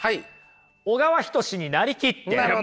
小川仁志に成りきって。